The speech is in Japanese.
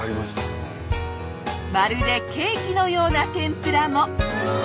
まるでケーキのような天ぷらも。